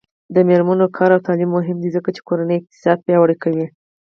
د میرمنو کار او تعلیم مهم دی ځکه چې کورنۍ اقتصاد پیاوړی کوي.